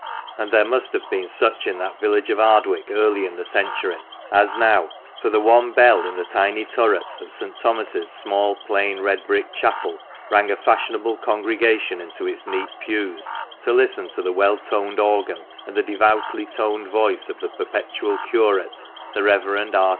And there must have been such in that village of Ardwick early in the century, as now, for the one bell in the tiny turret of St. Thomas's small, plain, red COLLEGE GATE AND GRAMMAR SCHOOL. 88 THE MANCHESTER MAN. brick chapel rang a fashionable congregation into its neat pews, to listen to the well toned organ and the devoutly toned voice of the perpetual curate, the Reverend R.